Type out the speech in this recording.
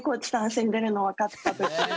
死んでるの分かってね。